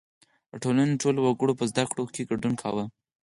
• د ټولنې ټولو وګړو په زدهکړو کې ګډون کاوه.